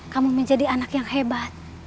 kamu menjadi anak yang hebat